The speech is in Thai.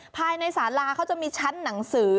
ภายในสาราเขาจะมีชั้นหนังสือ